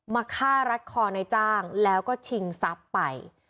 มาฆ่ารัดคอในจ้างแล้วก็ชิงทรัพย์ไป